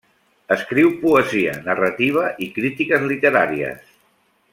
Escriu poesia, narrativa i crítiques literàries.